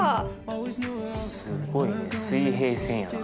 すごいね水平線やな。